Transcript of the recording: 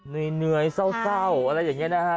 เหนื่อยเศร้าอะไรอย่างนี้นะฮะ